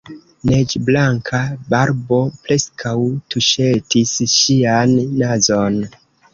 Neĝblanka barbo preskaŭ tuŝetis ŝian nazon.